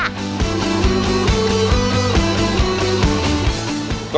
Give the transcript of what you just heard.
สวัสดีครับ